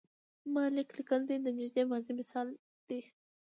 ما لیک لیکلی دی د نږدې ماضي مثال دی.